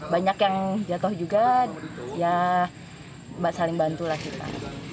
banyak yang jatuh juga ya saling bantulah kita